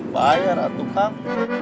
bayar atuh kang